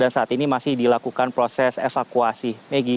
dan saat ini masih dilakukan proses evakuasi